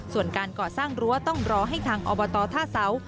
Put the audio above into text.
ส่วนการก่อสร้างรั้วต้องรอให้ทางอบตท่าเสา